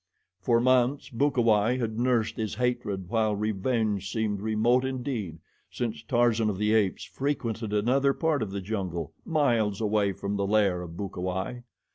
For months Bukawai had nursed his hatred while revenge seemed remote indeed, since Tarzan of the Apes frequented another part of the jungle, miles away from the lair of Bukawai.